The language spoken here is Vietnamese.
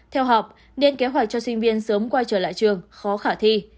theo học nên kế hoạch cho sinh viên sớm quay trở lại trường khó khả thi